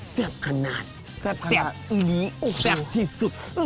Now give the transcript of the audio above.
แซ่บขนาดแซ่บอีหรี่แซ่บที่สุด